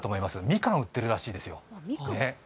みかん売ってるらしいですよ。